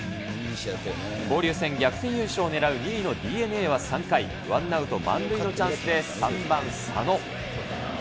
交流戦逆転優勝を狙う２位のＤｅＮＡは３回、ワンアウト満塁のチャンスで３番佐野。